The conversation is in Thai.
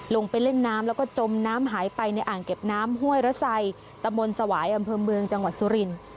ลงไปเล่นน้ำแล้วก็จมน้ำหายไปในอ่างเก็บน้ำห้วยระไซตะมนต์สวายอำเภอเมืองจังหวัดสุรินทร์